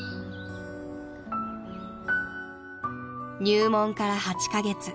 ［入門から８カ月］